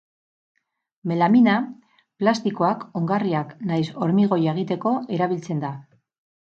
Melamina plastikoak, ongarriak nahiz hormigoia egiteko erabiltzen da.